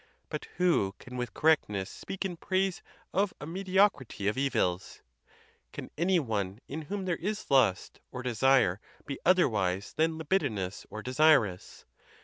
But who can with correctness speak in praise of a mediocrity of evils? Can any one in whom there is lust or desire be otherwise than libidinous or desirous?